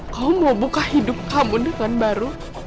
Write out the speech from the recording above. kamu mau buka hidup kamu dengan baru